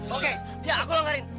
oke ya aku lo lengkarin